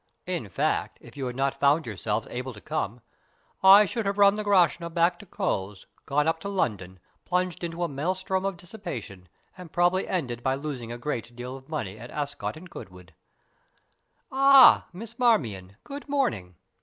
In fact, if you had not found yourselves able to come, I should have run the Grashna back to Cowes, gone up to London, plunged into a maelström of dissipation, and probably ended by losing a great deal of money at Ascot and Goodwood. Ah, Miss Marmion, good morning!